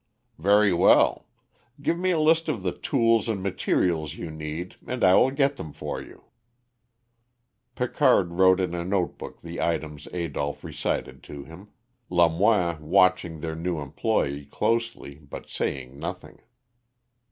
"Very well. Give me a list of the tools and materials you need and I will get them for you." Picard wrote in a note book the items Adolph recited to him, Lamoine watching their new employee closely, but saying nothing.